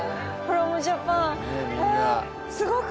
フロムジャパン。